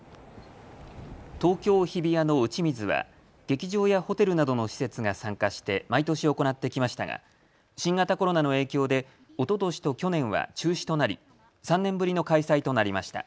東京日比谷の打ち水は劇場やホテルなどの施設が参加して毎年、行ってきましたが新型コロナの影響でおととしと去年は中止となり３年ぶりの開催となりました。